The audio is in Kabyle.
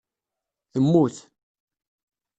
Temmut.